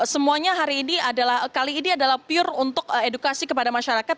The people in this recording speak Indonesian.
semuanya hari ini adalah kali ini adalah pure untuk edukasi kepada masyarakat